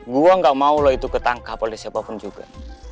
gue gak mau lo itu ketangkap oleh siapa pun juga